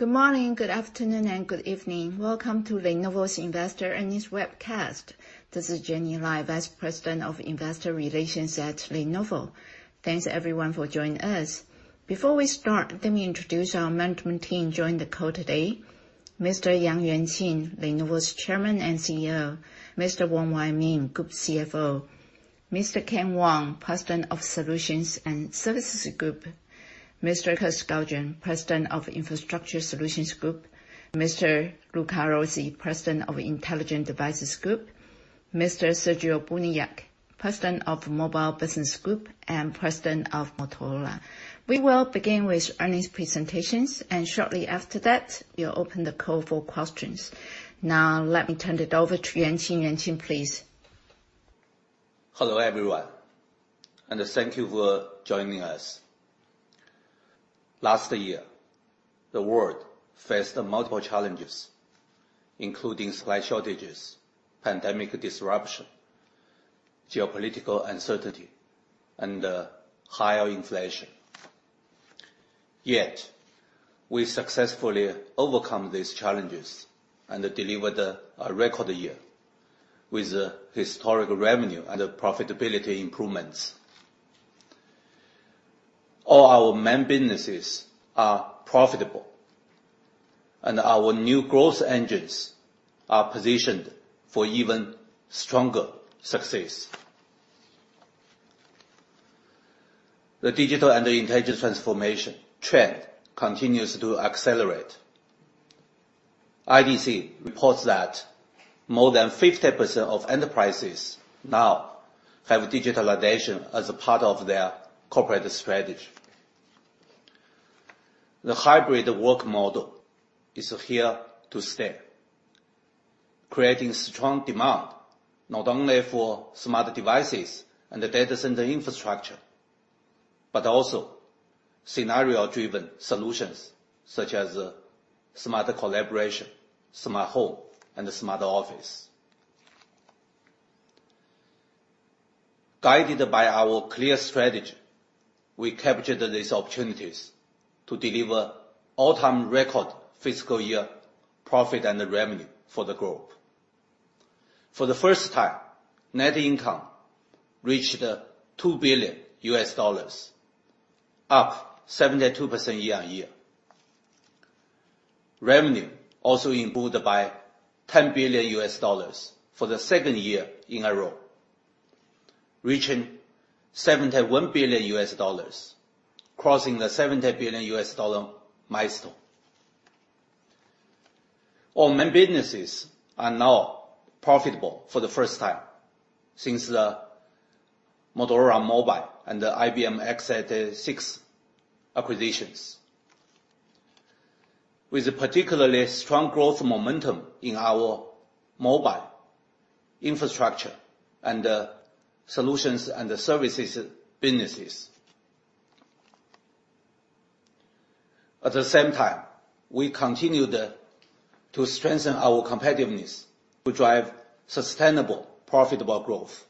Good morning, good afternoon, and good evening. Welcome to Lenovo's Investor Earnings webcast. This is Jenny Lai, Vice President of Investor Relations at Lenovo. Thanks, everyone, for joining us. Before we start, let me introduce our management team joining the call today: Mr. Yang Yuanqing, Lenovo's Chairman and CEO; Mr. Wong Wai Ming, Group CFO; Mr. Ken Wong, President of Solutions and Services Group; Mr. Kirk Skaugen, President of Infrastructure Solutions Group; Mr. Luca Rossi, President of Intelligent Devices Group; and Mr. Sergio Buniac, President of Mobile Business Group and President of Motorola. We will begin with earnings presentations, and shortly after that, we'll open the call for questions. Now, let me turn it over to Yuanqing. Yuanqing, please. Hello, everyone, and thank you for joining us. Last year, the world faced multiple challenges, including supply shortages, pandemic disruption, geopolitical uncertainty, and higher inflation. Yet, we successfully overcame these challenges and delivered a record year with historic revenue and profitability improvements. All our main businesses are profitable, and our new growth engines are positioned for even stronger success. The digital and intelligent transformation trend continues to accelerate. IDC reports that more than 50% of enterprises now have digitalization as a part of their corporate strategy. The hybrid work model is here to stay, creating strong demand not only for smart devices and data center infrastructure, but also for scenario-driven solutions such as smart collaboration, smart home, and smart office. Guided by our clear strategy, we captured these opportunities to deliver all-time record fiscal year profit and revenue for the group. For the first time, net income reached $2 billion, up 72% year-on-year. Revenue also improved by $10 billion for the second year in a row, reaching $71 billion, crossing the $70 billion milestone. All main businesses are now profitable for the first time since the Motorola Mobile and the IBM x86 acquisitions, with particularly strong growth momentum in our mobile infrastructure and solutions and the services businesses. At the same time, we continued to strengthen our competitiveness to drive sustainable, profitable growth.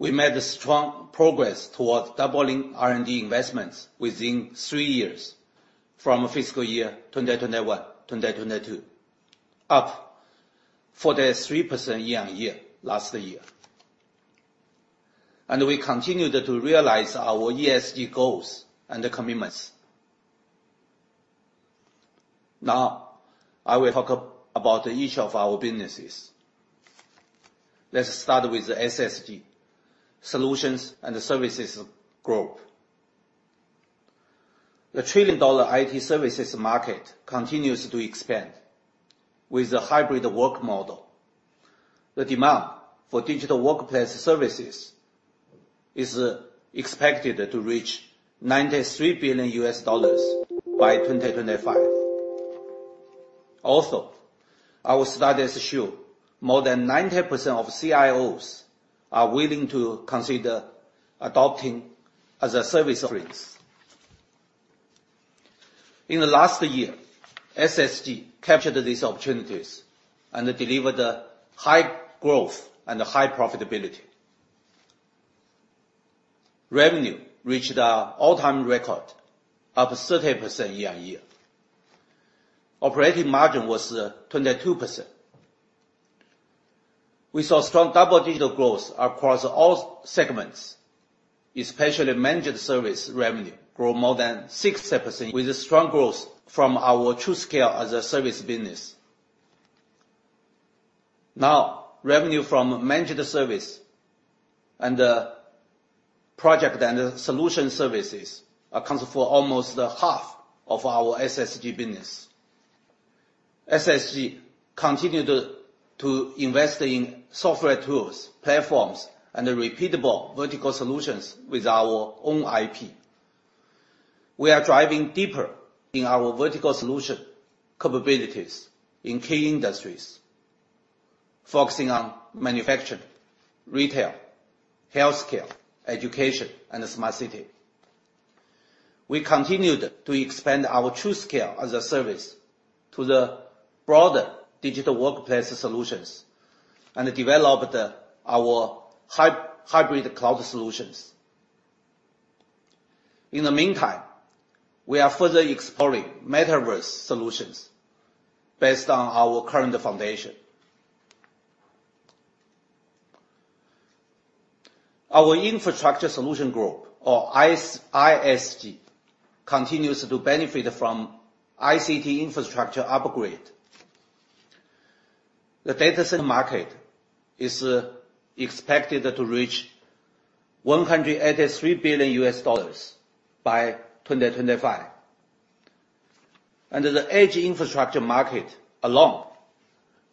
We made strong progress towards doubling R&D investments within three years from fiscal year 2021-2022, up 43% year-on-year last year. We continued to realize our ESG goals and commitments. Now, I will talk about each of our businesses. Let's start with the SSG, Solutions and Services Group. The trillion-dollar IT services market continues to expand. With the hybrid work model, the demand for digital workplace services is expected to reach $93 billion by 2025. Also, our studies show more than 90% of CIOs are willing to consider adopting as-a-service offerings. In the last year, SSG captured these opportunities and delivered high growth and high profitability. Revenue reached an all-time record, up 13% year-on-year. Operating margin was 22%. We saw strong double-digit growth across all segments, especially managed service revenue, which grew more than 60%, with strong growth from our TruScale as-a-service business. Now, revenue from managed service and project and solution services accounts for almost half of our SSG business. SSG continued to invest in software tools, platforms, and repeatable vertical solutions with our own IP. We are driving deeper into our vertical solution capabilities in key industries, focusing on manufacturing, retail, healthcare, education, and smart cities. We continued to expand our TruScale as-a-service to broader digital workplace solutions and develop our hybrid cloud solutions. In the meantime, we are further exploring metaverse solutions based on our current foundation. Our Infrastructure Solutions Group, or ISG, continues to benefit from ICT infrastructure upgrades. The data center market is expected to reach $183 billion by 2025. The Edge infrastructure market alone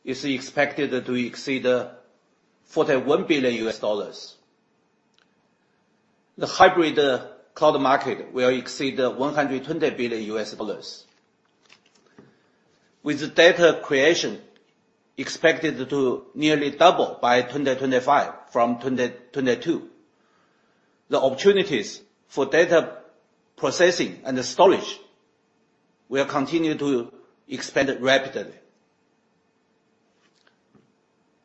is expected to exceed $41 billion. The hybrid cloud market will exceed $120 billion. With data creation expected to nearly double by 2025 from 2022, the opportunities for data processing and storage will continue to expand rapidly.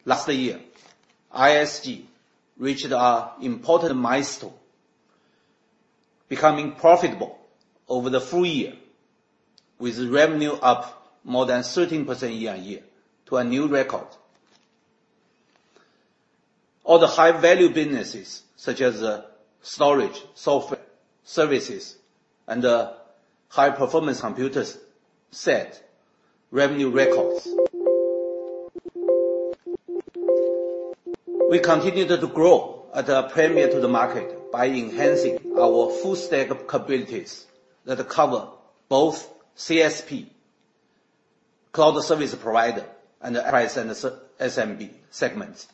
Last year, ISG reached an important milestone, becoming profitable over the full year, with revenue up more than 13% year-on-year to a new record. All high-value businesses, such as storage, software, services, and high-performance computing, set revenue records. We continued to grow at a premium to the market by enhancing our full stack of capabilities that cover both CSPs, cloud service providers, and the enterprise and SMB segments.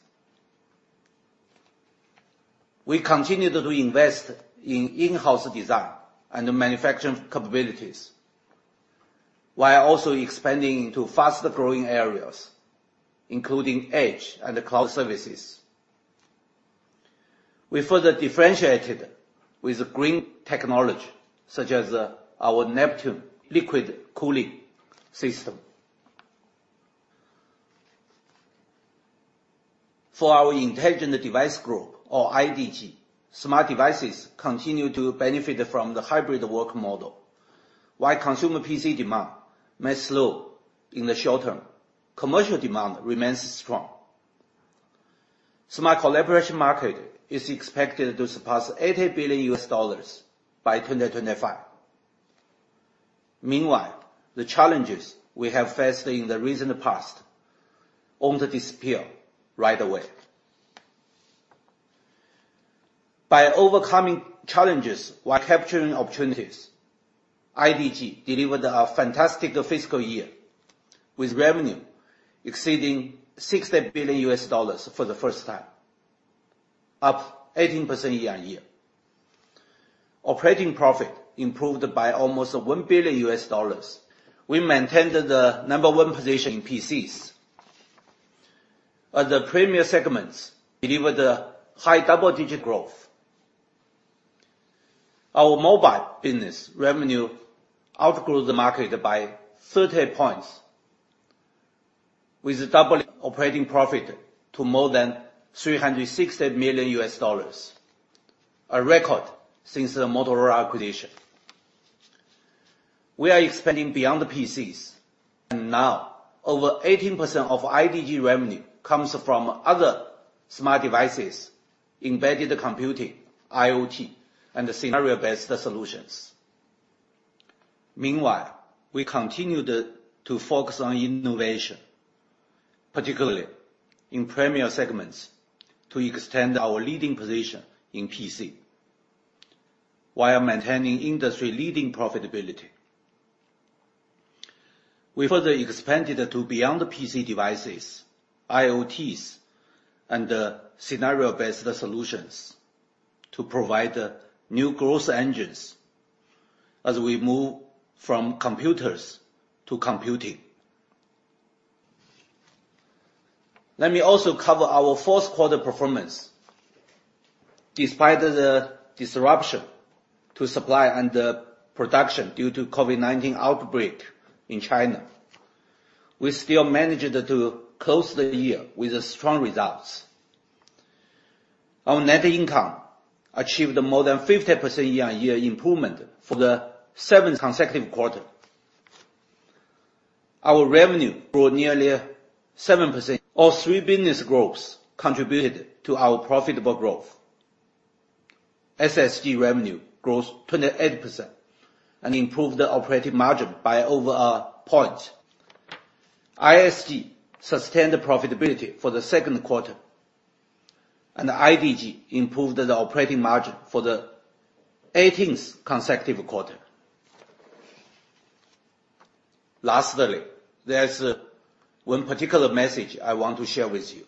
We continued to invest in in-house design and manufacturing capabilities, while also expanding into fast-growing areas, including Edge and cloud services. We further differentiated with green technology, such as our Neptune liquid cooling system. For our Intelligent Devices Group, or IDG, smart devices continue to benefit from the hybrid work model. While consumer PC demand may slow in the short term, commercial demand remains strong. The smart collaboration market is expected to surpass $80 billion by 2025. Meanwhile, the challenges we have faced in the recent past won't disappear right away. By overcoming challenges while capturing opportunities, IDG delivered a fantastic fiscal year, with revenue exceeding $60 billion for the first time, up 18% year-on-year. Operating profit improved by almost $1 billion. We maintained the number one position in PCs as the premier segments delivered high double-digit growth. Our mobile business revenue outgrew the market by 30 points, with operating profit doubling to more than $360 million, a record since the Motorola acquisition. We are expanding beyond PCs, and now over 18% of IDG revenue comes from other smart devices, embedded computing, IoT, and scenario-based solutions. Meanwhile, we continued to focus on innovation, particularly in premier segments, to extend our leading position in PC, while maintaining industry-leading profitability. We further expanded beyond PC devices, IoT, and scenario-based solutions to provide new growth engines as we move from computers to computing. Let me also cover our fourth-quarter performance. Despite the disruption to supply and production due to the COVID-19 outbreak in China, we still managed to close the year with strong results. Our net income achieved more than 50% year-on-year improvement for the seventh consecutive quarter. Our revenue grew nearly 7%. All three business groups contributed to our profitable growth. SSG revenue grew 28% and improved the operating margin by over a point. ISG sustained profitability for the second quarter, and IDG improved the operating margin for the 18th consecutive quarter. Lastly, there's one particular message I want to share with you.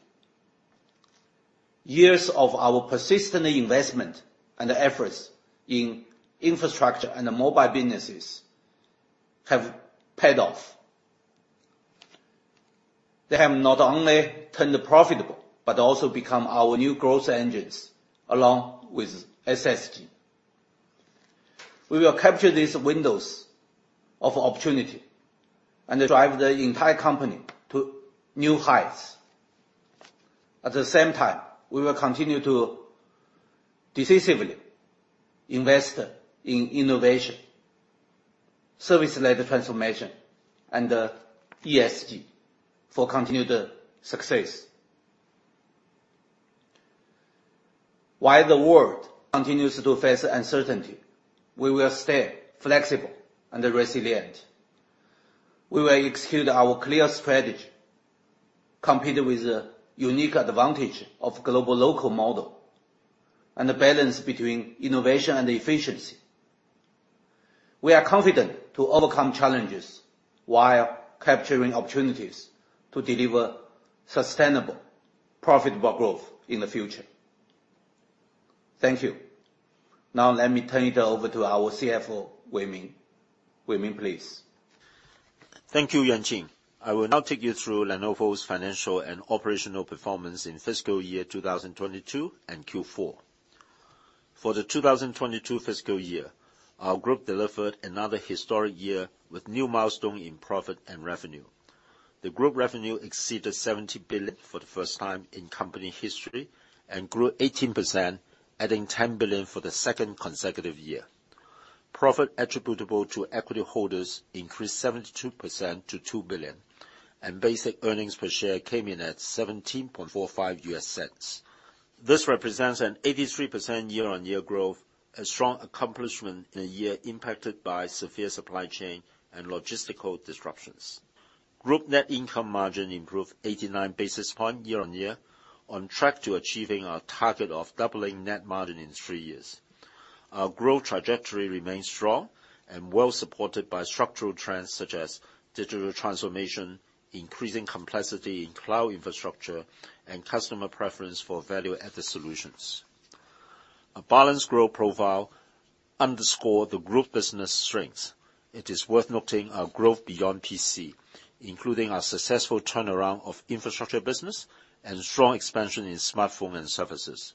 Years of our persistent investment and efforts in infrastructure and mobile businesses have paid off. They have not only turned profitable, but also become our new growth engines, along with SSG. We will capture these windows of opportunity and drive the entire company to new heights. At the same time, we will continue to decisively invest in innovation, service-led transformation, and ESG for continued success. While the world continues to face uncertainty, we will stay flexible and resilient. We will execute our clear strategy, compete with the unique advantage of global local model, and the balance between innovation and efficiency. We are confident to overcome challenges while capturing opportunities to deliver sustainable profitable growth in the future. Thank you. Now, let me turn it over to our CFO, Wai Ming. Wai Ming, please. Thank you, Yuanqing. I will now take you through Lenovo's financial and operational performance in fiscal year 2022 and Q4. For the 2022 fiscal year, our group delivered another historic year with new milestones in profit and revenue. The group revenue exceeded $70 billion for the first time in company history and grew 18%, adding $10 billion for the second consecutive year. Profit attributable to equity holders increased 72% to $2 billion, and basic earnings per share came in at $0.1745. This represents an 83% year-on-year growth, a strong accomplishment in a year impacted by severe supply chain and logistical disruptions. Group net income margin improved 89 basis points year-on-year, on track to achieving our target of doubling net margin in three years. Our growth trajectory remains strong and well-supported by structural trends such as digital transformation, increasing complexity in cloud infrastructure, and customer preference for value-added solutions. A balanced growth profile underscores the group's business strengths. It is worth noting our growth beyond PC, including our successful turnaround of the infrastructure business and strong expansion in smartphones and services.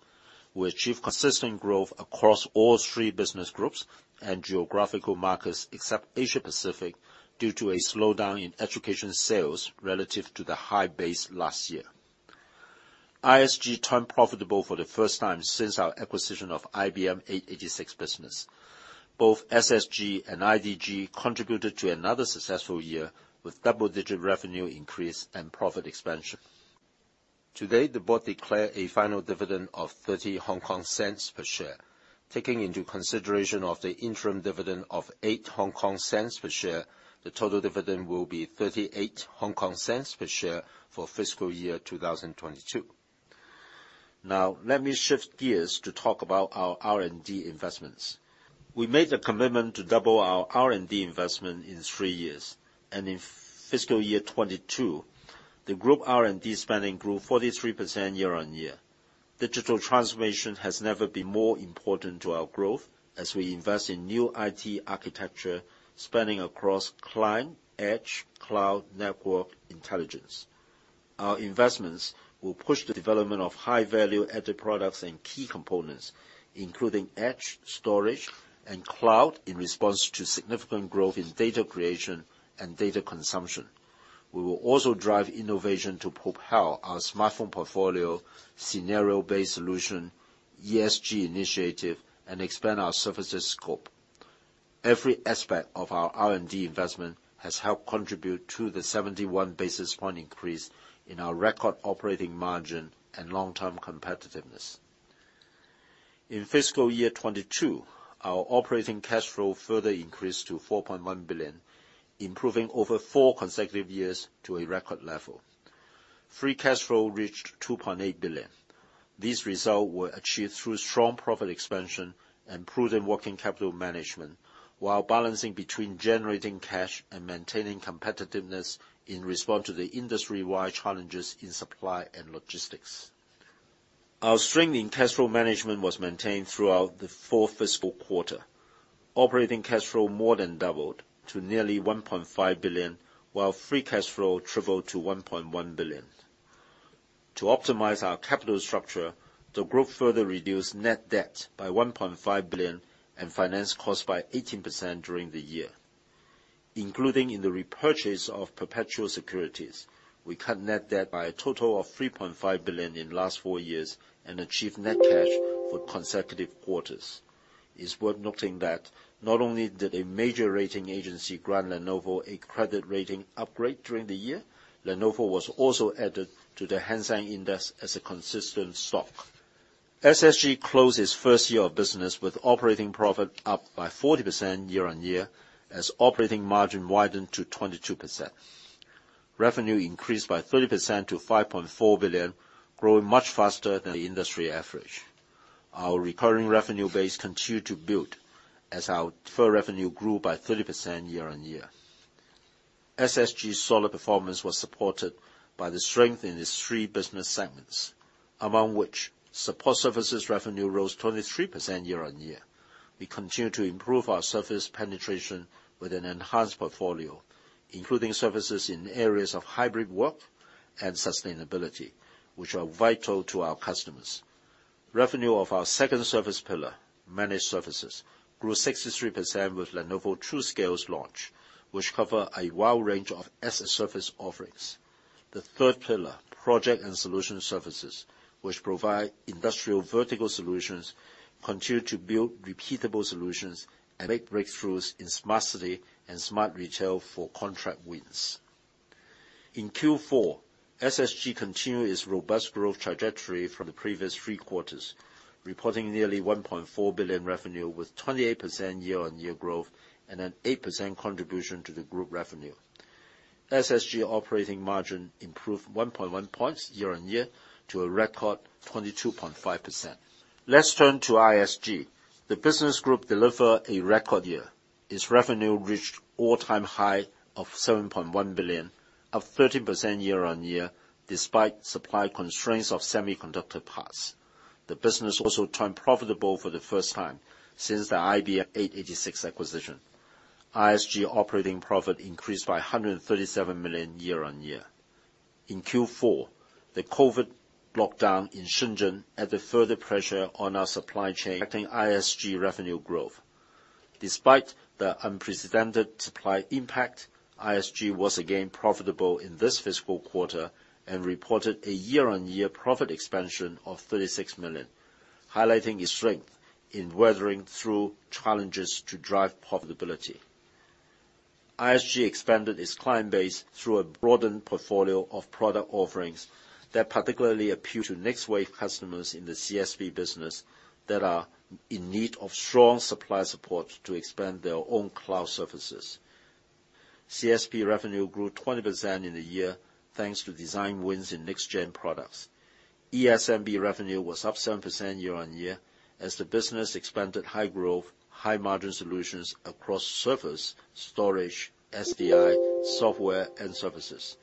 We achieved consistent growth across all three business groups and geographical markets, except Asia-Pacific, due to a slowdown in education sales relative to the high base last year. ISG turned profitable for the first time since our acquisition of the IBM x86 business. Both SSG and IDG contributed to another successful year with double-digit revenue increase and profit expansion. Today, the board declared a final dividend of 0.30 per share. Taking into consideration the interim dividend of 0.08 per share, the total dividend will be 0.38 per share for fiscal year 2022. Now, let me shift gears to talk about our R&D investments. We made a commitment to double our R&D investment in three years. In fiscal year 2022, the group's R&D spending grew 43% year-on-year. Digital transformation has never been more important to our growth as we invest in new IT architecture spending across client, edge, cloud, network, and intelligence. Our investments will push the development of high-value-added products and key components, including edge, storage, and cloud, in response to significant growth in data creation and data consumption. We will also drive innovation to propel our smartphone portfolio, scenario-based solutions, ESG initiatives, and expand our services scope. Every aspect of our R&D investment has contributed to the 71 basis points increase in our record operating margin and long-term competitiveness. In fiscal year 2022, our operating cash flow further increased to $4.1 billion, improving over four consecutive years to a record level. Free cash flow reached $2.8 billion. These results were achieved through strong profit expansion and prudent working capital management, while balancing between generating cash and maintaining competitiveness in response to industry-wide challenges in supply and logistics. Our strength in cash flow management was maintained throughout the fourth fiscal quarter. Operating cash flow more than doubled to nearly $1.5 billion, while free cash flow tripled to $1.1 billion. To optimize our capital structure, the group further reduced net debt by $1.5 billion and financing costs by 18% during the year. Including the repurchase of perpetual securities, we cut net debt by a total of $3.5 billion in the last four years and achieved net cash for consecutive quarters. It's worth noting that not only did a major rating agency grant Lenovo a credit rating upgrade during the year, but Lenovo was also added to the Hang Seng Index as a constituent stock. SSG closed its first year of business with operating profit up by 40% year-on-year, as operating margin widened to 22%. Revenue increased by 30% to $5.4 billion, growing much faster than the industry average. Our recurring revenue base continued to build as our deferred revenue grew by 30% year-on-year. SSG's solid performance was supported by the strength in its three business segments, among which support services revenue rose 23% year-on-year. Its revenue reached an all-time high of $7.1 billion, up 13% year-over-year, despite supply constraints of semiconductor parts. The business also turned profitable for the first time since the IBM x86 acquisition. ISG operating profit increased by $137 million year-over-year. In Q4, the COVID lockdown in Shenzhen added further pressure on our supply chain, affecting ISG revenue growth. Despite the unprecedented supply impact, ISG was again profitable in this fiscal quarter and reported a year-over-year profit expansion of $36 million, highlighting its strength in weathering challenges to drive profitability. ISG expanded its client base through a broadened portfolio of product offerings that particularly appeal to next-wave customers in the CSP business who are in need of strong supply support to expand their own cloud services. CSP revenue grew 20% in the year, thanks to design wins in next-gen products. ESMB revenue was up 7% year-on-year as the business expanded high-growth, high-margin solutions across servers, storage, SDI, software, and services,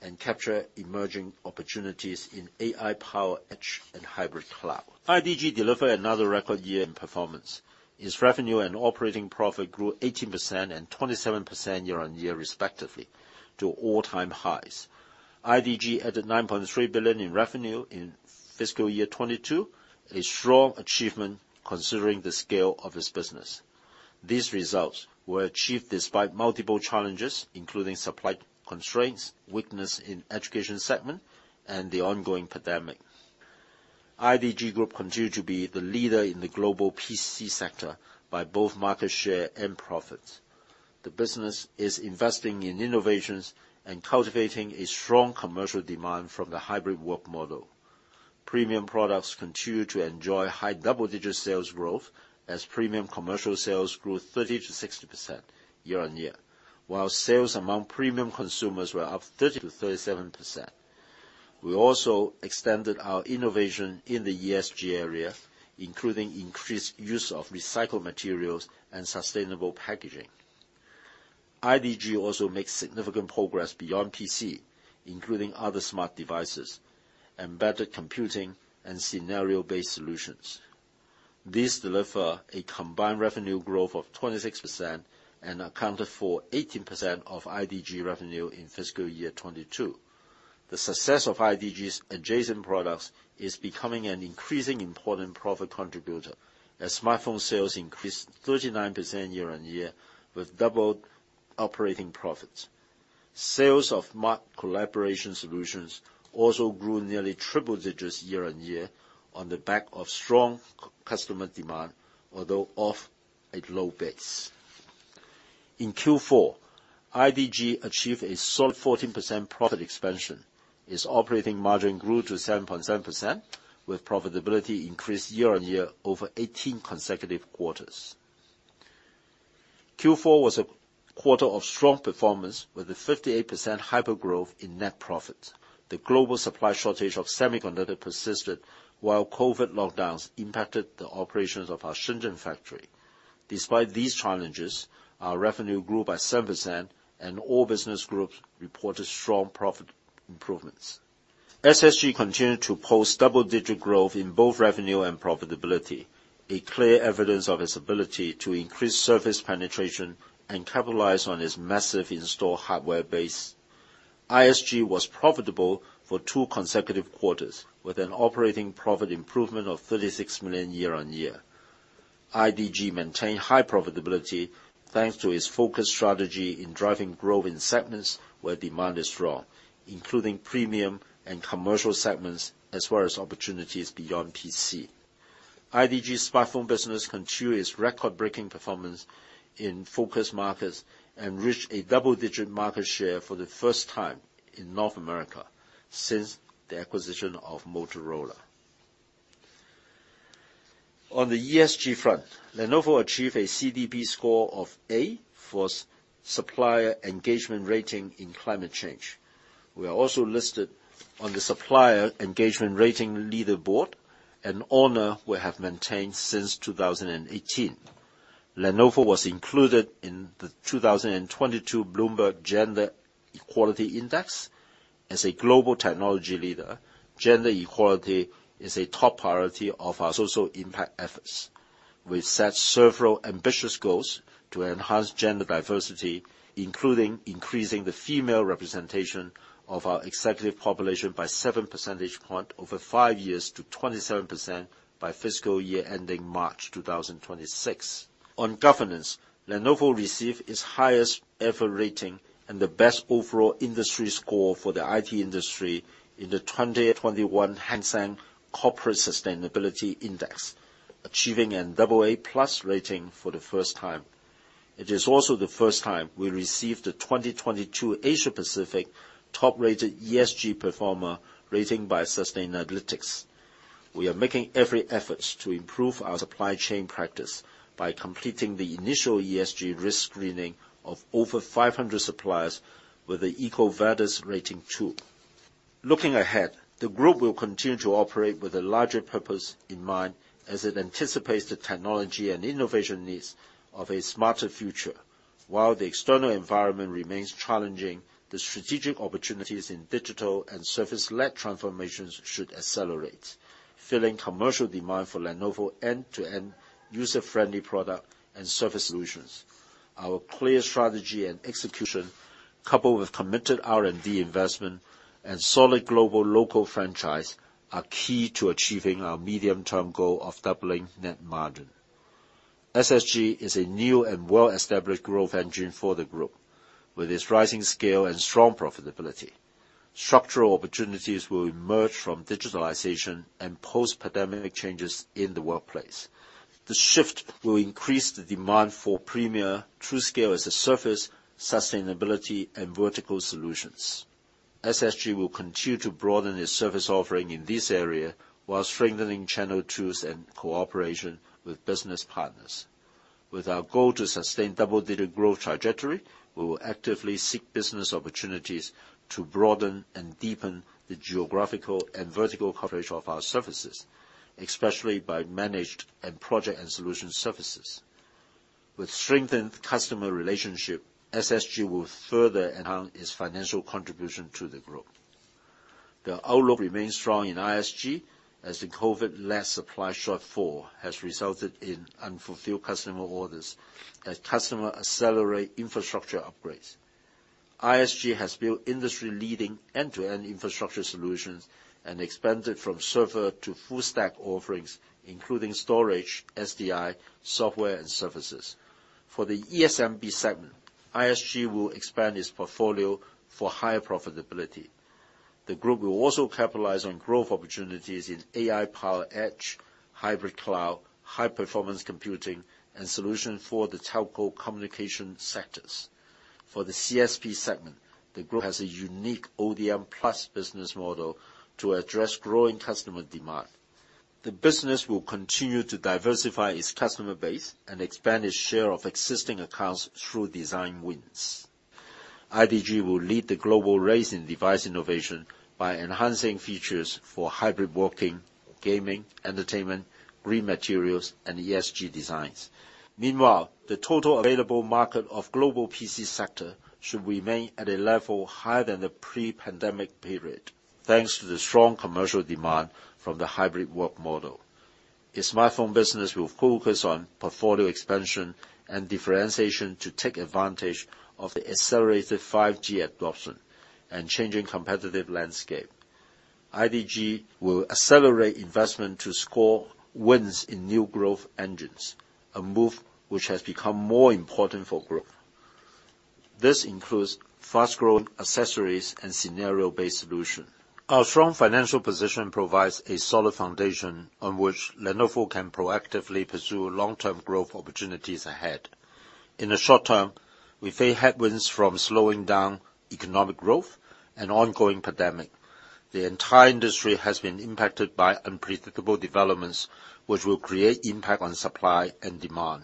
and captured emerging opportunities in AI-powered edge and hybrid cloud. IDG delivered another record year in performance. Its revenue and operating profit grew 18% and 27% year-on-year respectively to all-time highs. IDG added $9.3 billion in revenue in fiscal year 2022, a strong achievement considering the scale of its business. These results were achieved despite multiple challenges, including supply constraints, weakness in the education segment, and the ongoing pandemic. IDG Group continued to be the leader in the global PC sector by both market share and profits. The business is investing in innovations and cultivating strong commercial demand from the hybrid work model. Premium products continue to enjoy high double-digit sales growth as premium commercial sales grew 30%-60% year-on-year. While sales among premium consumers were up 30-37%, we also extended our innovation in the ESG area, including increased use of recycled materials and sustainable packaging. IDG also made significant progress beyond PC, including other smart devices, embedded computing, and scenario-based solutions. These delivered a combined revenue growth of 26% and accounted for 18% of IDG revenue in fiscal year 2022. The success of IDG's adjacent products is becoming an increasingly important profit contributor as smartphone sales increased 39% year-on-year with double operating profits. Sales of smart collaboration solutions also grew nearly triple digits year-on-year on the back of strong customer demand, although off a low base. In Q4, IDG achieved a solid 14% profit expansion. Its operating margin grew to 7.7% with profitability increasing year-on-year over 18 consecutive quarters. Q4 was a quarter of strong performance with 58% hyper-growth in net profits. The global supply shortage of semiconductors persisted while COVID lockdowns impacted the operations of our Shenzhen factory. Despite these challenges, our revenue grew by 7%, and all business groups reported strong profit improvements. SSG continued to post double-digit growth in both revenue and profitability, clear evidence of its ability to increase service penetration and capitalize on its massive installed hardware base. ISG was profitable for two consecutive quarters with an operating profit improvement of $36 million year-on-year. IDG maintained high profitability thanks to its focus strategy in driving growth in segments where demand is strong, including premium and commercial segments, as well as opportunities beyond PC. IDG's smartphone business continued its record-breaking performance in focus markets and reached a double-digit market share for the first time in North America since the acquisition of Motorola. On the ESG front, Lenovo achieved a CDP score of A for supplier engagement rating in climate change. We are also listed on the Supplier Engagement Rating Leaderboard, an honor we have maintained since 2018. Lenovo was included in the 2022 Bloomberg Gender Equality Index. As a global technology leader, gender equality is a top priority of our social impact efforts. We've set several ambitious goals to enhance gender diversity, including increasing the female representation of our executive population by 7 percentage points over five years to 27% by the fiscal year ending March 2026. On governance, Lenovo received its highest-ever rating and the best overall industry score for the IT industry in the 2021 Hang Seng Corporate Sustainability Index, achieving a AA+ rating for the first time. It is also the first time we received the 2022 Asia-Pacific top-rated ESG performer rating by Sustainalytics. We are making every effort to improve our supply chain practices by completing the initial ESG risk screening of over 500 suppliers with an EcoVadis rating tool. Looking ahead, the group will continue to operate with a larger purpose in mind as it anticipates the technology and innovation needs of a smarter future. While the external environment remains challenging, the strategic opportunities in digital and service-led transformations should accelerate, filling commercial demand for Lenovo's end-to-end, user-friendly product and service solutions. Our clear strategy and execution, coupled with committed R&D investment and a solid global/local franchise, are key to achieving our medium-term goal of doubling net margin. SSG is a new and well-established growth engine for the group. With its rising scale and strong profitability, structural opportunities will emerge from digitalization and post-pandemic changes in the workplace. This shift will increase the demand for premier TruScale as a service, sustainability, and vertical solutions. SSG will continue to broaden its service offering in this area while strengthening channel tools and cooperation with business partners. With our goal to sustain a double-digit growth trajectory, we will actively seek business opportunities to broaden and deepen the geographical and vertical coverage of our services, especially through managed, project, and solution services. With strengthened customer relationships, SSG will further enhance its financial contribution to the group. The outlook remains strong in ISG as the COVID-led supply shortfall has resulted in unfulfilled customer orders as customers accelerate infrastructure upgrades. ISG has built industry-leading end-to-end infrastructure solutions and expanded from servers to full-stack offerings, including storage, SDI, software, and services. For the ESMB segment, ISG will expand its portfolio for higher profitability. The group will also capitalize on growth opportunities in AI-powered edge, hybrid cloud, high-performance computing, and solutions for the telco communication sectors. For the CSP segment, the group has a unique ODM-plus business model to address growing customer demand. The business will continue to diversify its customer base and expand its share of existing accounts through design wins. IDG will lead the global race in device innovation by enhancing features for hybrid working, gaming, entertainment, green materials, and ESG designs. Meanwhile, the total available market of the global PC sector should remain at a level higher than the pre-pandemic period, thanks to strong commercial demand from the hybrid work model. The smartphone business will focus on portfolio expansion and differentiation to take advantage of accelerated 5G adoption and the changing competitive landscape. IDG will accelerate investment to score wins in new growth engines, a move that has become more important for growth. This includes fast-growing accessories and scenario-based solutions. Our strong financial position provides a solid foundation on which Lenovo can proactively pursue long-term growth opportunities. In the short term, we face headwinds from slowing economic growth and the ongoing pandemic. The entire industry has been impacted by unpredictable developments, which will affect supply and demand.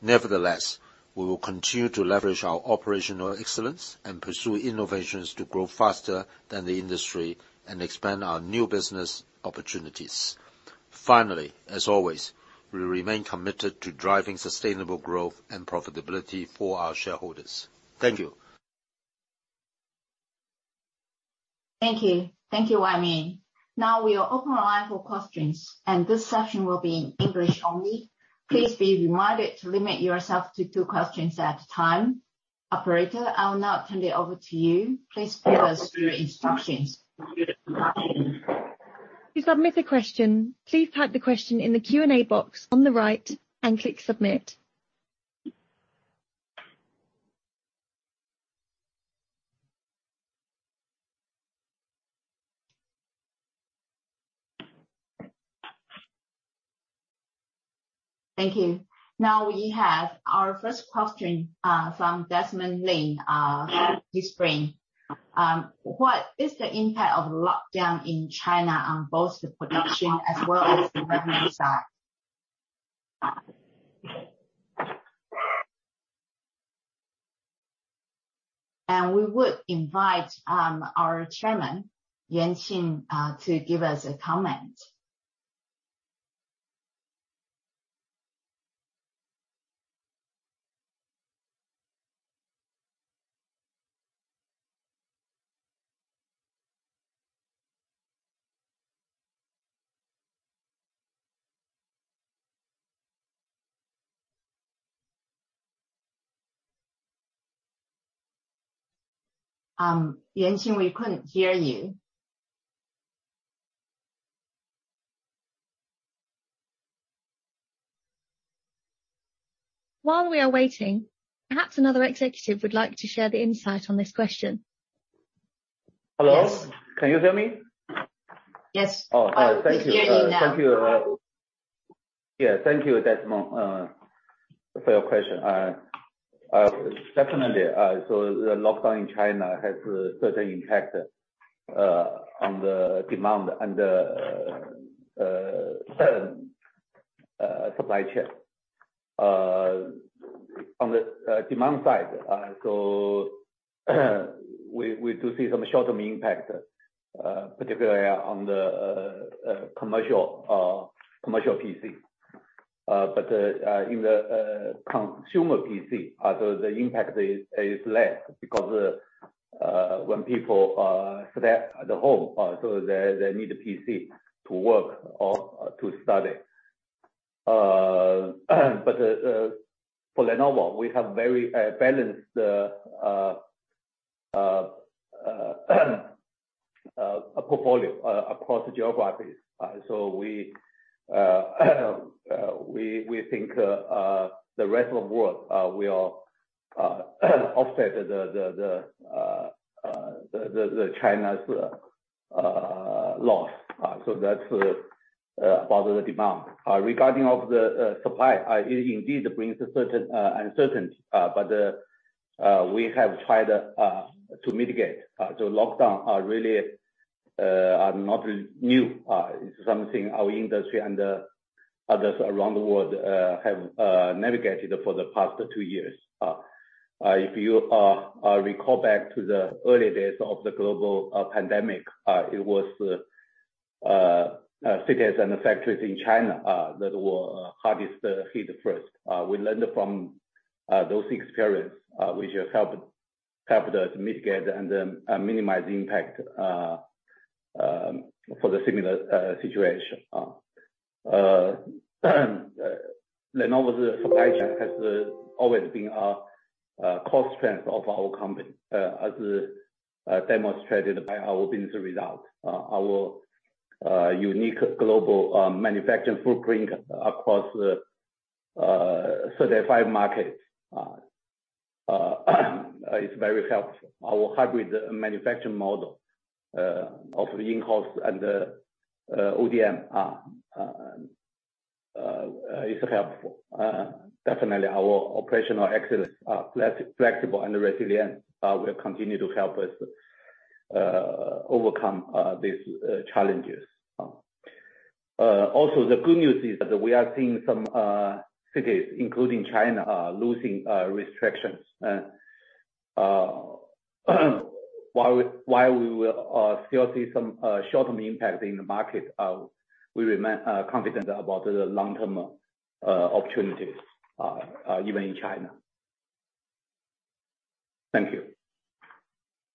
Nevertheless, we will continue to leverage our operational excellence and pursue innovations to grow faster than the industry and expand our new business opportunities. Finally, as always, we remain committed to driving sustainable growth and profitability for our shareholders. Thank you. Thank you. Thank you, Wai Ming. Now we are opening the line for questions, and this session will be in English only. Please be reminded to limit yourself to two questions at a time. Operator, I will now turn it over to you. Please give us your instructions. To submit a question, please type the question in the Q&A box on the right and click submit. Thank you. Now we have our first question from Desmond Lim from Eastspring. What is the impact of the lockdown in China on both the production and revenue sides? We would like to invite our chairman, Yang Yuanqing, to comment. Yang Yuanqing, we couldn't hear you. While we are waiting, perhaps another executive would like to share the insight on this question. Hello? Yes. Can you hear me? Yes. Oh. We can hear you now. Thank you. Thank you, yeah, thank you, Desmond, for your question. Definitely. The lockdown in China has a certain impact on demand and the supply chain. On the demand side, we do see some short-term impact, particularly on commercial PCs. In consumer PCs, the impact is less because when people stay at home, they need a PC to work or to study. For Lenovo, we have a very balanced portfolio across geographies. We think the rest of the world will offset China's loss. That's about the demand. Regarding of the supply, it indeed brings a certain uncertainty. We have tried to mitigate. Lockdown are really not new. It's something our industry and others around the world have navigated for the past 2 years. If you recall back to the early days of the global pandemic, it was cities and factories in China that were hardest hit first. We learned from those experience which have helped us mitigate and minimize impact for the similar situation. Lenovo's supply chain has always been a core strength of our company, as demonstrated by our business results. Our unique global manufacturing footprint across 35 markets is very helpful. Our hybrid manufacturing model of in-house and ODM is helpful. Definitely our operational excellence are flexible and resilient will continue to help us overcome these challenges. Also the good news is that we are seeing some cities, including China, losing restrictions. While we will still see some short-term impact in the market, we remain confident about the long-term opportunities even in China. Thank you.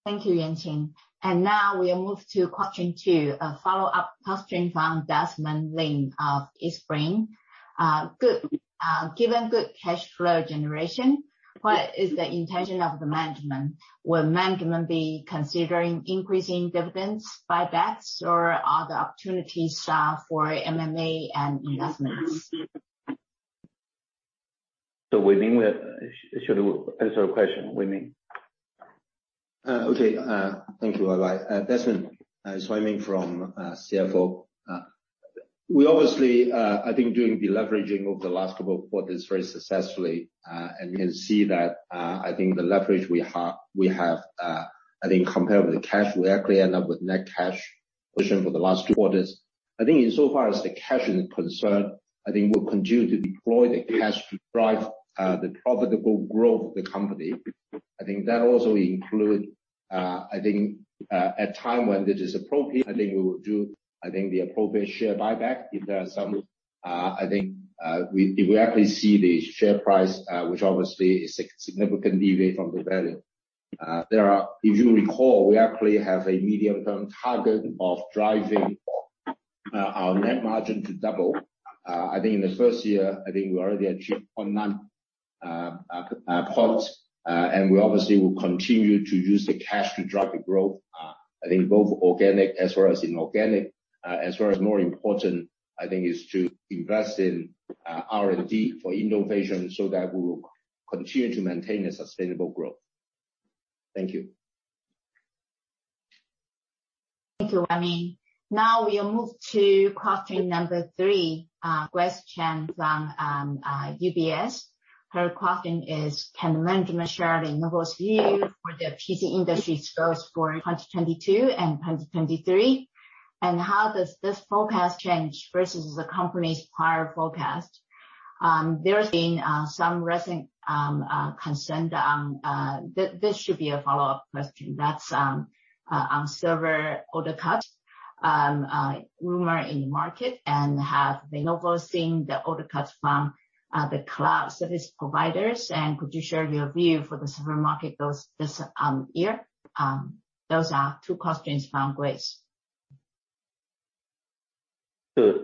Thank you, Yuanqing. Now we move to question two, a follow-up question from Desmond Lim of Eastspring. Given good cash flow generation, what is the intention of the management? Will management be considering increasing dividends, buybacks or other opportunities for M&A and investments? Wai Ming should answer the question. Wai Ming. Okay. Thank you, Jenny. Desmond, it's Wai Ming from CFO. We obviously, I think doing the leveraging over the last couple of quarters very successfully. You can see that, I think the leverage we have, I think compared with the cash, we actually end up with net cash position for the last two quarters. I think insofar as the cash is concerned, I think we'll continue to deploy the cash to drive the profitable growth of the company. I think that also include, I think, at a time when it is appropriate, I think we will do, I think, the appropriate share buyback. If there are some, I think, if we actually see the share price, which obviously is significantly deviate from the value. There are If you recall, we actually have a medium-term target of doubling our net margin. I think in the first year, we already achieved 0.9%. We obviously will continue to use the cash to drive growth, both organic and inorganic. More importantly, I think, is to invest in R&D for innovation, so that we will continue to maintain sustainable growth. Thank you. Thank you, Wai Ming. Now we move to question number 3, Grace Chen from UBS. Her question is, can management share Lenovo's view on the PC industry's growth for 2022 and 2023? And how does this forecast change versus the company's prior forecast? There's been some recent concern. This should be a follow-up question. That's on server order cuts, a rumor in the market. And has Lenovo seen order cuts from cloud service providers? And could you share your view on the server market for this year? Those are two questions from Grace. Good.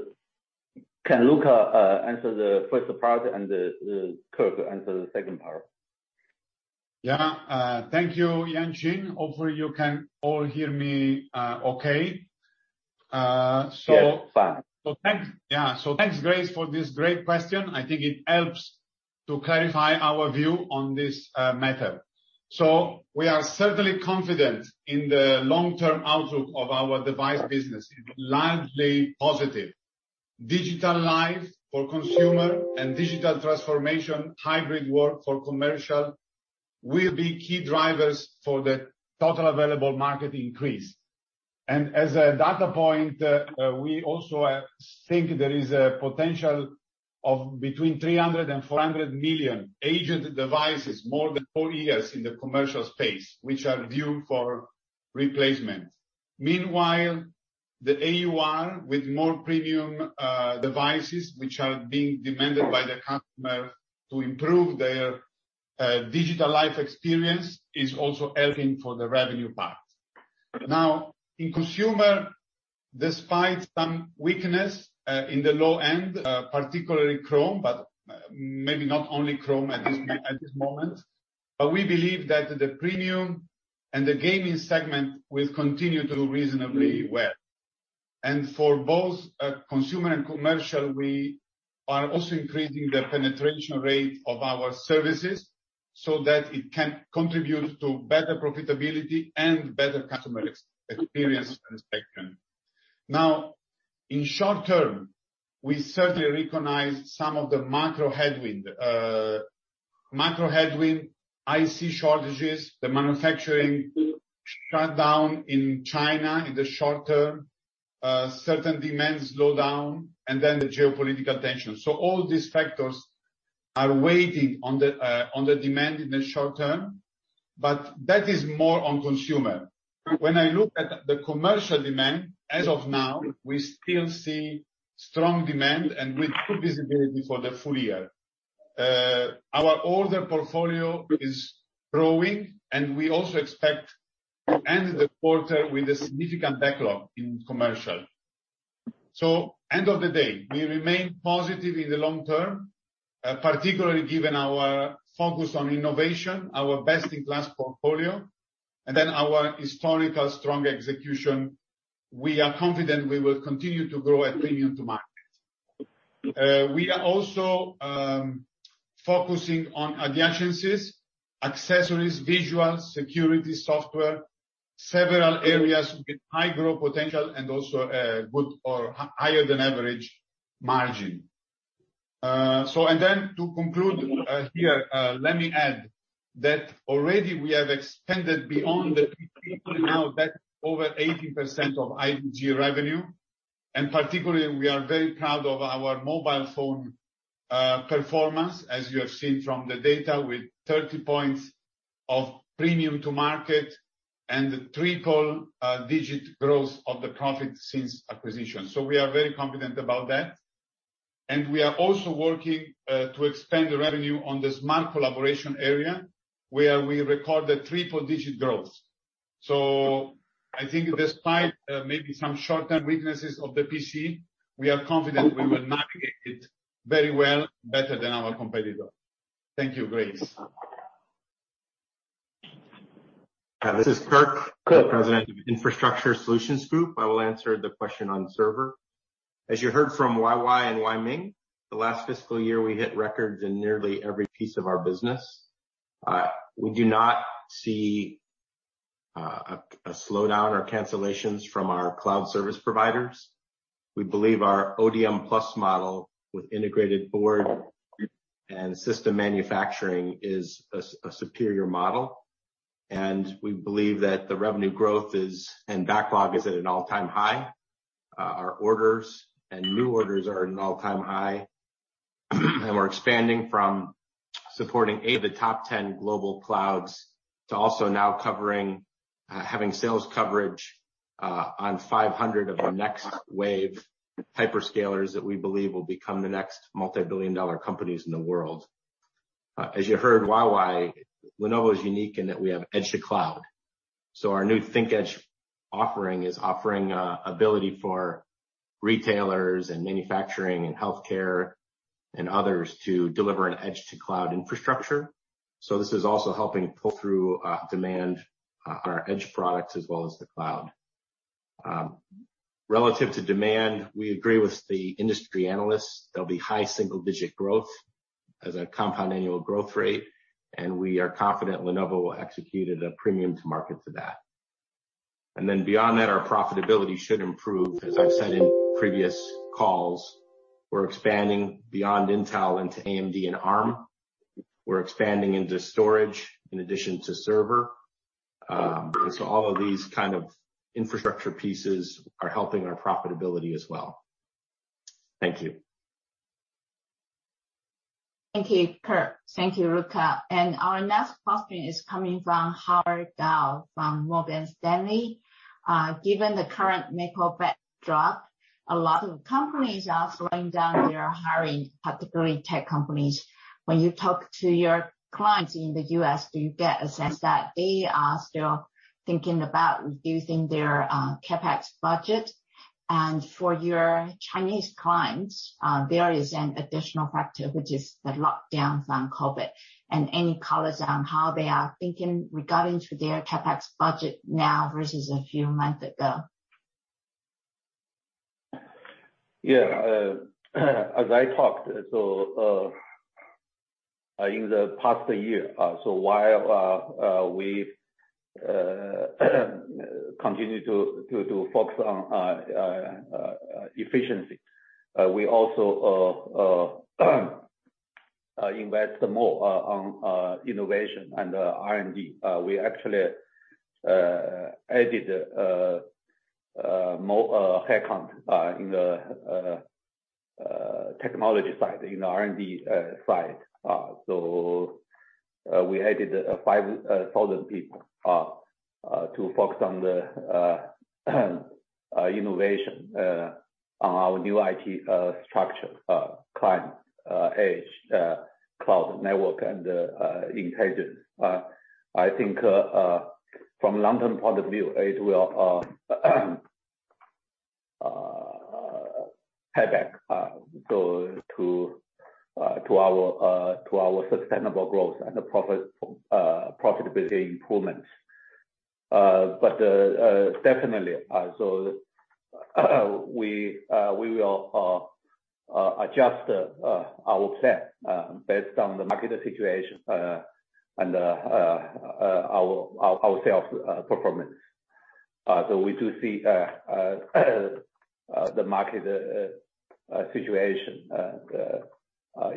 Can Luca answer the first part and Kirk answer the second part? Yeah. Thank you, Yang Yuanqing. Hopefully you can all hear me, okay. Yes, fine. Thanks, Grace, for this great question. I think it helps to clarify our view on this matter. We are certainly confident in the long-term outlook of our device business. It's largely positive. Digital life for consumers and digital transformation, hybrid work for commercial, will be key drivers for the total available market increase. As a data point, we also think there is a potential of between 300 and 400 million agent devices more than 4 years in the commercial space, which are due for replacement. Meanwhile, the AUR with more premium devices, which are being demanded by the customer to improve their digital life experience, is also helping with the revenue part. Now, in the consumer segment, despite some weakness in the low end, particularly Chromebooks, but maybe not only Chromebooks at this moment, we believe that the premium and gaming segments will continue to do reasonably well. For both consumer and commercial, we are also increasing the penetration rate of our services so that they can contribute to better profitability and an improved customer experience. Now, in the short term, we certainly recognize some of the macro headwinds. Macro headwinds, IC shortages, the manufacturing shutdown in China in the short term, certain demand slowdowns, and geopolitical tension. All these factors are weighing on demand in the short term, but that is more so in the consumer segment. When I look at the commercial demand, as of now, we still see strong demand and with good visibility for the full year. Our order portfolio is growing, and we also expect to end the quarter with a significant backlog in commercial. At the end of the day, we remain positive in the long term, particularly given our focus on innovation, our best-in-class portfolio, and our historically strong execution. We are confident we will continue to grow at a premium to the market. We are also focusing on adjacencies, accessories, visuals, and security software—several areas with high growth potential and also good or higher-than-average margins. To conclude, let me add that we have already extended beyond the point where over 80% of IDG revenue comes from mobile phones. We are particularly proud of our mobile phone performance, as you have seen from the data, with 30 points of premium to market and triple-digit profit growth since acquisition. We are very confident about that. We are also working to expand revenue in the smart collaboration area, where we recorded triple-digit growth. I think despite some short-term weaknesses in the PC market, we are confident we will navigate it very well, better than our competitors. Thank you, Grace. This is Kirk. Kirk. President of Infrastructure Solutions Group. I will answer the question on servers. As you heard from Wai Wai and Wai Ming, the last fiscal year we hit records in nearly every piece of our business. We do not see a slowdown or cancellations from our cloud service providers. We believe our ODM plus model with integrated board and system manufacturing is a superior model, and we believe that the revenue growth and backlog are at an all-time high. Our orders and new orders are at an all-time high. We're expanding from supporting 8 of the top 10 global clouds to now also having sales coverage for 500 of the next wave hyperscalers that we believe will become the next multi-billion-dollar companies in the world. As you heard Yang Yuanqing, Lenovo is unique in that we have edge to cloud. Our new ThinkEdge offering provides the ability for retailers, manufacturing, healthcare, and others to deliver an edge-to-cloud infrastructure. This is also helping pull through demand for our edge products as well as the cloud. Relative to demand, we agree with the industry analysts; there will be high single-digit growth as a compound annual growth rate, and we are confident Lenovo will execute at a premium to market. Beyond that, our profitability should improve. As I've said in previous calls, we're expanding beyond Intel into AMD and Arm. We're expanding into storage in addition to servers. All of these infrastructure pieces are helping our profitability as well. Thank you. Thank you, Kirk. Thank you, Luca. Our next question is coming from Howard Kao from Morgan Stanley. Given the current macro backdrop, a lot of companies are slowing down their hiring, particularly tech companies. When you talk to your clients in the U.S., do you get a sense that they are still thinking about reducing their CapEx budget? For your Chinese clients, there is an additional factor, which is the lockdowns on COVID. Any color on how they are thinking regarding their CapEx budget now versus a few months ago? Yes. As I mentioned, in the past year, while we continued to focus on efficiency, we also invested more in innovation and R&D. We actually added more headcount on the technology side, in R&D. We added 5,000 people to focus on innovation in our new IT structure: client, edge, cloud, network, and intelligence. I think from a long-term point of view, it will contribute to our sustainable growth and profitability improvements. Definitely. We will adjust our plan based on the market situation and our sales performance. We see that the market situation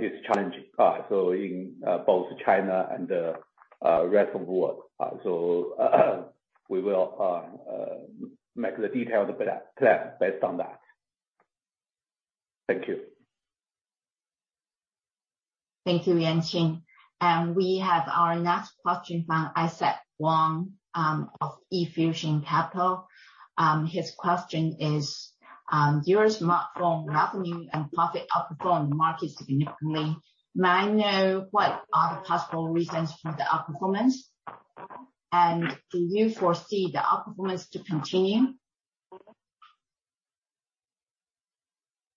is challenging in both China and the rest of the world. We will make a detailed plan based on that. Thank you. Thank you, Yang Yuanqing. We have our next question from Isaac Wong of eFusion Capital. His question is, "Your smartphone revenue and profit outperformed the market significantly. May I know what the possible reasons for this outperformance are? Do you foresee this outperformance continuing?"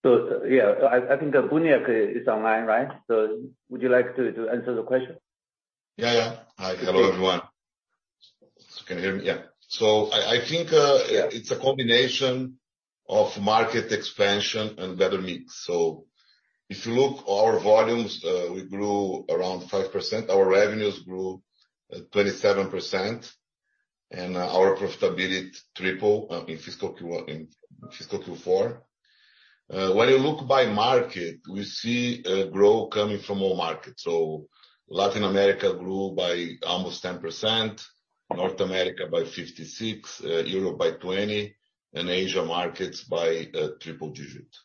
Yeah, I think Sergio Buniac is online, right? Would you like to answer the question? Yes. Hi. Hello, everyone. Can you hear me? Yes. I think it's a combination of market expansion and a better mix. If you look at our volumes, we grew around 5%. Our revenues grew 27%. Our profitability tripled in fiscal Q4. When you look by market, we see growth coming from all markets. Latin America grew by almost 10%, North America by 56%, Europe by 20%, and Asian markets by triple digits.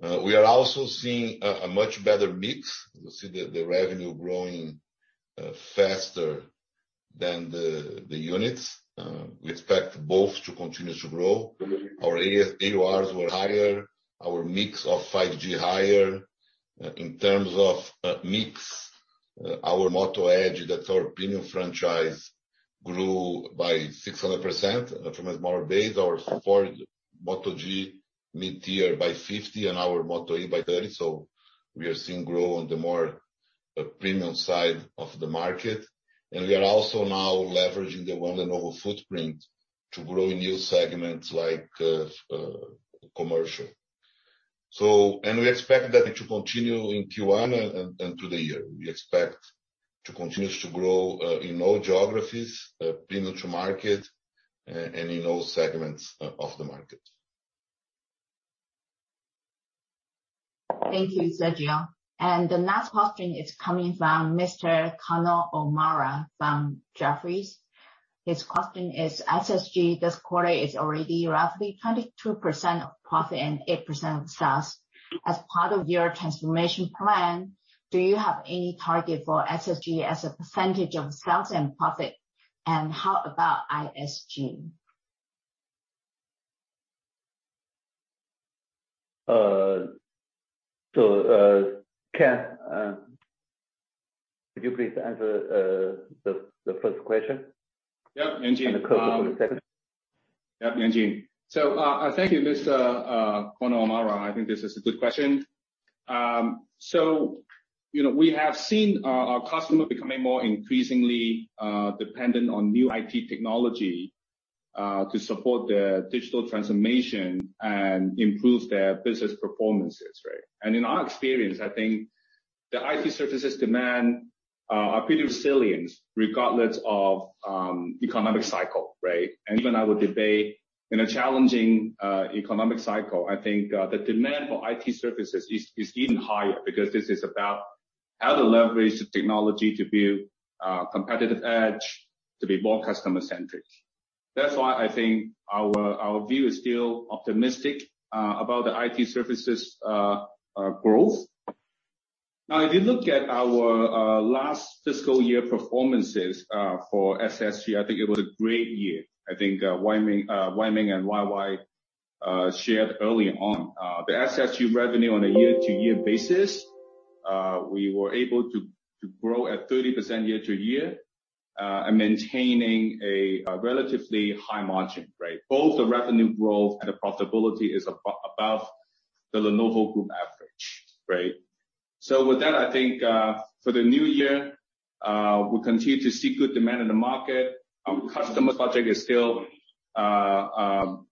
We are also seeing a much better mix. You see the revenue growing faster than the units. We expect both to continue to grow. Our AS-ARs were higher. Our mix of 5G was higher. In terms of mix, our Moto Edge, which is our premium franchise, grew by 600% from a smaller base. Our 4G Moto G mid-tier grew by 50%, and our Moto E by 30%. We are seeing growth on the more premium side of the market. We are also now leveraging the Lenovo footprint to grow in new segments like commercial. We expect that to continue in Q1 and through the year. We expect to continue to grow in all geographies, premium to market, and in all segments of the market. Thank you, Sergio. The next question is coming from Mr. Conor O'Mara from Jefferies. His question is, SSG this quarter is already roughly 22% of profit and 8% of sales. As part of your transformation plan, do you have any target for SSG as a percentage of sales and profit? How about ISG? Ken, could you please answer the first question? Yeah, Yang Yuanqing. Kirk for the second. Yeah, Yang Yuanqing. Thank you, Mr. Conor O'Mara. I think this is a good question. You know, we have seen our customers becoming increasingly dependent on new IT technology to support their digital transformation and improve their business performance, right? In our experience, I think the demand for IT services is pretty resilient regardless of the economic cycle, right? I would even argue that in a challenging economic cycle, the demand for IT services is even higher because this is about how to leverage technology to build a competitive edge and be more customer-centric. That's why I think our view is still optimistic about the growth of IT services. Now, if you look at our last fiscal year's performance for SSG, I think it was a great year. I think Wai Ming and YY shared early on. The SSG revenue on a year-to-year basis, we were able to grow at 30% year-to-year, and maintain a relatively high margin, right? Both the revenue growth and the profitability are above the Lenovo Group average, right? With that, I think for the new year, we'll continue to see good demand in the market. Our customer project is still planning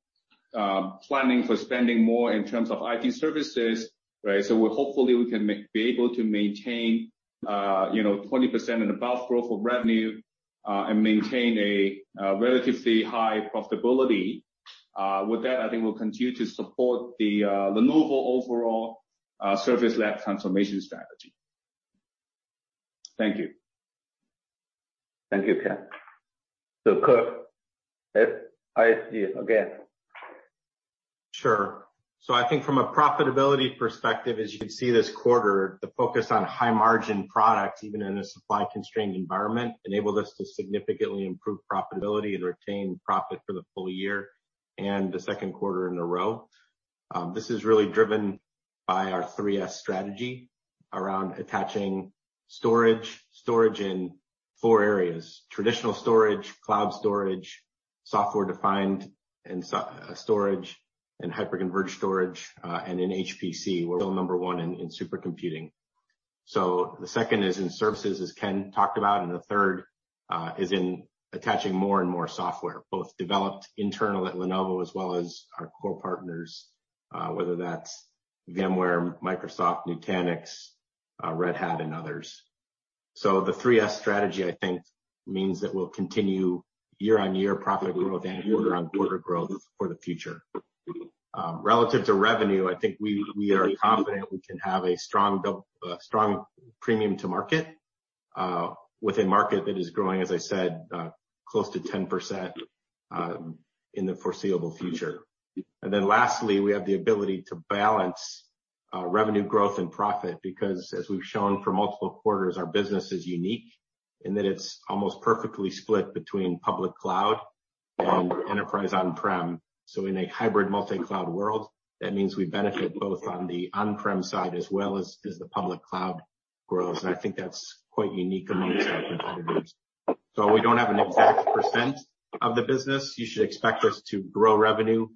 for spending more in terms of IT services, right? Hopefully, we can maintain, you know, 20% and above growth of revenue, and maintain a relatively high profitability. With that, I think we'll continue to support the Lenovo overall service lab transformation strategy. Thank you. Thank you, Ken. Kirk, ISG again. I think from a profitability perspective, as you can see this quarter, the focus on high-margin products, even in a supply-constrained environment, enabled us to significantly improve profitability and retain profit for the full year and the second quarter in a row. This is really driven by our three S strategy around attaching storage in four areas: traditional storage, cloud storage, software-defined storage, and hyper-converged storage. In HPC, we're number one in supercomputing. The second is in services, as Ken talked about, and the third is in attaching more and more software, both developed internally at Lenovo as well as by our core partners, whether that's VMware, Microsoft, Nutanix, Red Hat, and others. The three S strategy, I think, means that we'll continue year-on-year profit growth and quarter-on-quarter growth for the future. Relative to revenue, I think we are confident we can have a strong premium to market, with a market that is growing, as I said, close to 10% in the foreseeable future. Lastly, we have the ability to balance revenue growth and profit because, as we've shown for multiple quarters, our business is unique in that it's almost perfectly split between public cloud and enterprise on-prem. In a hybrid multi-cloud world, that means we benefit both on the on-prem side as well as the public cloud grows. I think that's quite unique among our competitors. We don't have an exact percentage of the business. You should expect us to grow revenue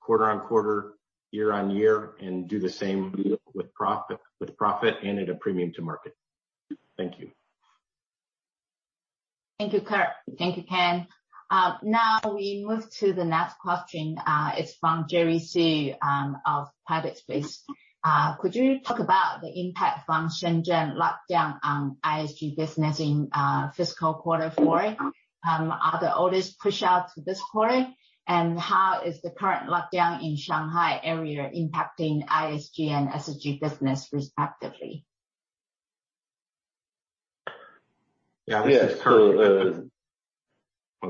quarter-on-quarter, year-on-year, and do the same with profit and at a premium to market. Thank you. Thank you, Kirk. Thank you, Ken. Now we move to the next question. It's from Jerry Su of Credit Suisse. Could you talk about the impact of the Shenzhen lockdown on the ISG business in fiscal quarter four? Are the orders pushed out to this quarter? How is the current lockdown in the Shanghai area impacting the ISG and SSG businesses respectively? Yeah. This is Kirk. Yeah. Oh, go ahead, Wang. Yeah. Kirk, go ahead. You continue, please. I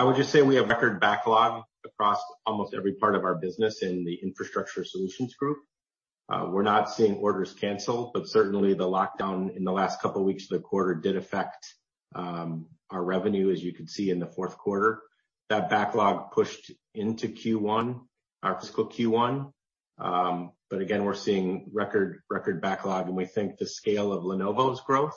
would just say we have a record backlog across almost every part of our business in the Infrastructure Solutions Group. We're not seeing orders canceled, but certainly the lockdown in the last couple of weeks of the quarter did affect our revenue, as you could see in the fourth quarter. That backlog pushed into Q1, our fiscal Q1. Again, we're seeing a record backlog, and we think the scale of Lenovo's growth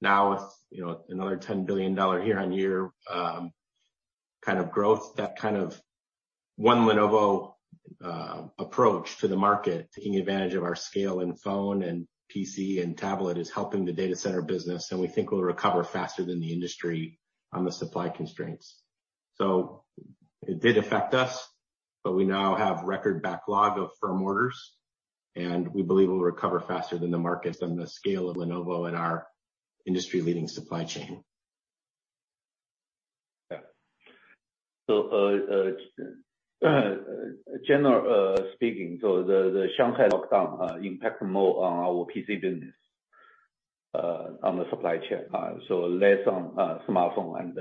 now, with, you know, another $10 billion year-on-year kind of growth, that kind of one Lenovo approach to the market, taking advantage of our scale in phone, PC, and tablet, is helping the data center business, and we think we'll recover faster than the industry on the supply constraints. It did affect us, but we now have a record backlog of firm orders, and we believe we'll recover faster than the markets on the scale of Lenovo and our industry-leading supply chain. Speaking, the Shanghai lockdown impacted our PC business more on the supply chain, and less on our smartphone and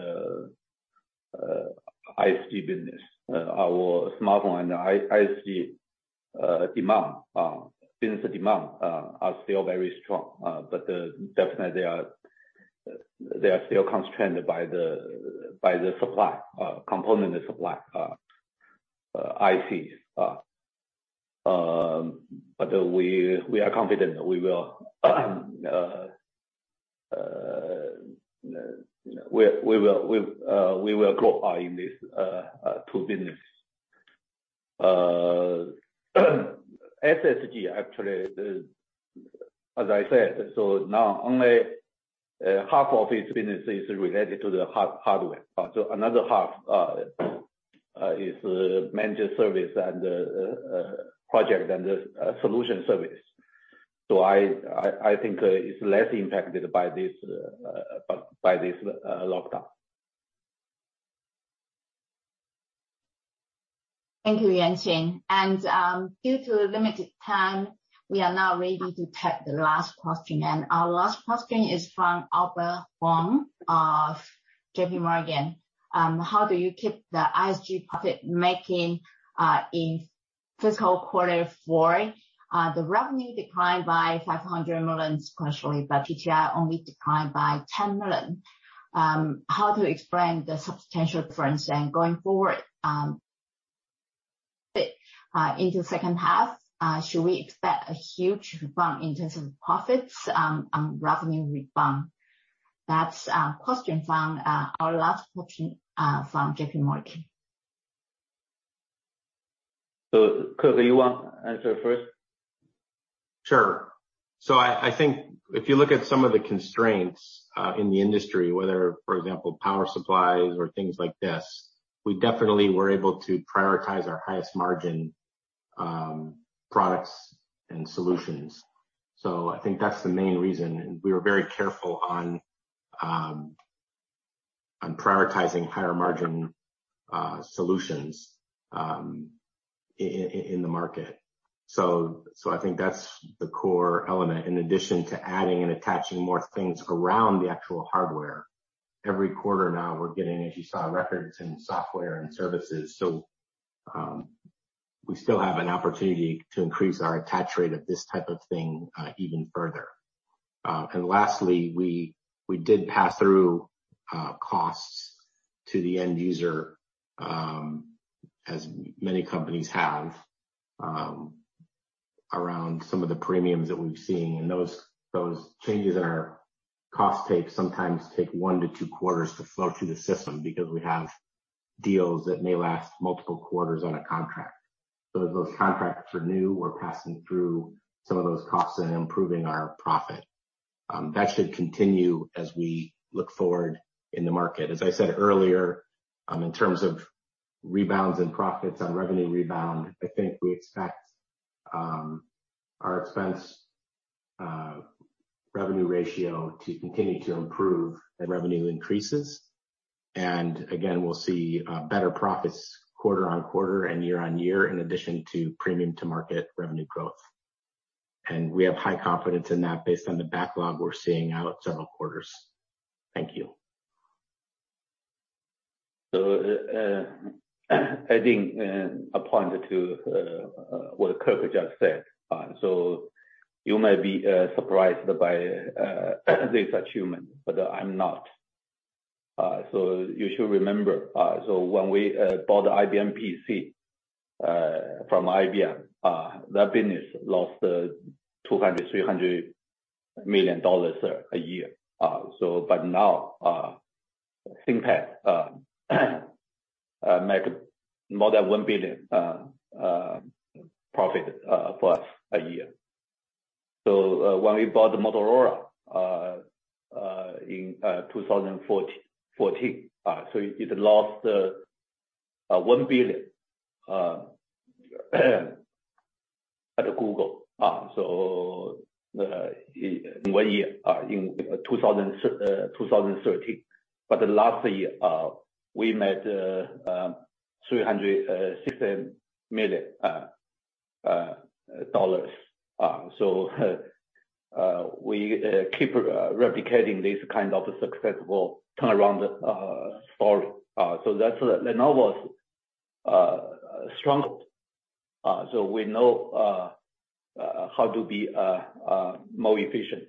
ISG businesses. Our smartphone and ISG business demands are still very strong. They are definitely still constrained by the supply of component ICs. We are confident we will grow in these two businesses, SSG, actually. As I said, now only half of its business is related to hardware. The other half is managed service and project and solution service. I think it's less impacted by this lockdown. Thank you, Yuanqing. Due to limited time, we are now ready to take the last question. Our last question is from Albert Hung of JP Morgan. How do you keep the ISG profit-making in the fiscal quarter when the revenue declined by $500 million sequentially, but GTI only declined by $10 million? How do you explain the substantial difference? Then, going forward into the second half, should we expect a huge rebound in terms of profits on revenue rebound? That's our last question from JP Morgan. Kirk, you wanna answer first? Sure. I think if you look at some of the constraints in the industry, whether, for example, power supplies or things like this, we definitely were able to prioritize our highest-margin products and solutions. I think that's the main reason. We were very careful in prioritizing higher-margin solutions in the market. I think that's the core element, in addition to adding and attaching more things around the actual hardware. Every quarter now, we're getting, as you saw, records in software and services. We still have an opportunity to increase our attach rate of this type of thing even further. Lastly, we did pass through costs to the end-user, as many companies have, around some of the premiums that we've seen. Those changes in our cost structure sometimes take 1-2 quarters to flow through the system because we have deals that may last multiple quarters on a contract. As those contracts renew, we're passing through some of those costs and improving our profit. That should continue as we look forward in the market. As I said earlier, in terms of rebounds in profits on revenue rebound, I think we expect our expense-to-revenue ratio to continue to improve as revenue increases. Again, we'll see better profits quarter-on-quarter and year-on-year in addition to premium-to-market revenue growth. We have high confidence in that based on the backlog we're seeing out several quarters. Thank you. Adding a point to what Kirk just said: You may be surprised by this achievement, but I'm not. You should remember when we bought the IBM PC from IBM, that business lost $200 million-$300 million a year. Now ThinkPads make more than $1 billion profit for us a year. When we bought Motorola in 2014, it had lost $1 billion at Google in one year, in 2013. Last year we made $360 million. We keep replicating this kind of successful turnaround story. That's Lenovo's strength. We know how to be more efficient,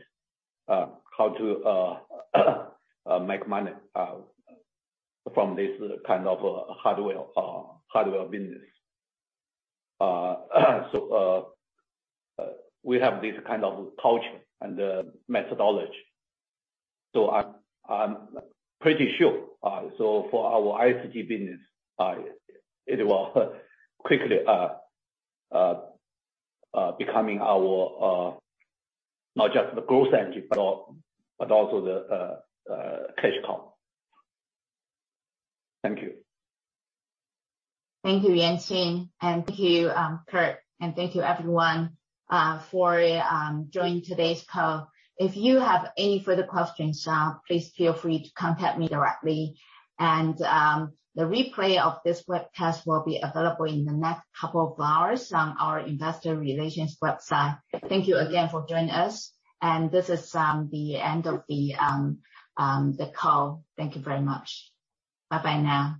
how to make money from this kind of hardware business. We have this kind of culture and methodology. I'm pretty sure for our ISG business it will quickly become not just our growth engine but also our cash cow. Thank you. Thank you, Yuanqing, and thank you, Kirk, and thank you, everyone, for joining today's call. If you have any further questions, please feel free to contact me directly. The replay of this webcast will be available in the next couple of hours on our investor relations website. Thank you again for joining us, and this is the end of the call. Thank you very much. Bye-bye now.